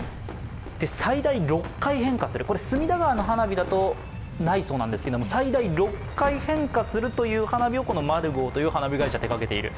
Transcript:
最大６回変化する、隅田川の花火だとないそうなんですけど最大６回変化するという花火をマルゴーという花火会社、手がけている。